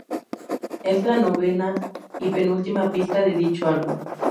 Es la novena y penúltima pista de dicho álbum.